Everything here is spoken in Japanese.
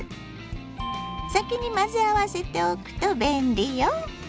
先に混ぜ合わせておくと便利よ。